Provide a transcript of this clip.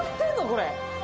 これ。